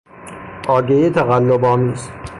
آگهی تقلبآمیز